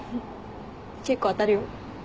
結構当たるよ。